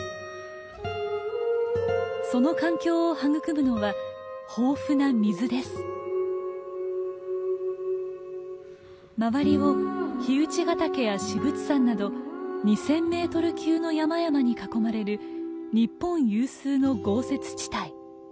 その環境を育むのは周りを燧ヶ岳や至仏山など２，０００メートル級の山々に囲まれる日本有数の豪雪地帯。